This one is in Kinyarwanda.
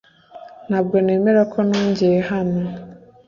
Ntabwo nemera ko nongeye hano.